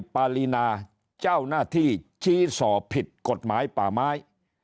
ปารีนาเจ้าหน้าที่ชี้ส่อผิดกฎหมายป่าไม้